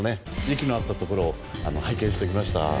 息の合ったところを拝見してきました。